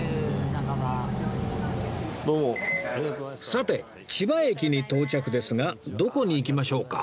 さて千葉駅に到着ですがどこに行きましょうか